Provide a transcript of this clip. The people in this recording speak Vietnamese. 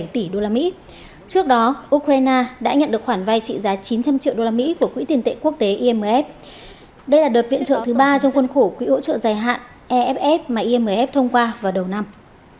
bảy tỷ usd trước đó ukraine đã nhận được khoản vay trị giá chín trăm linh triệu usd của quỹ tiền tệ quốc tế imf đây là đợt viện trợ thứ ba trong khuôn khổ quỹ hỗ trợ dài hạn eff mà imf thông qua vào đầu năm